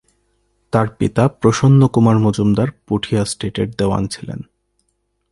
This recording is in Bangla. তাঁর পিতা প্রসন্নকুমার মজুমদার পুঠিয়া স্টেটের দেওয়ান ছিলেন।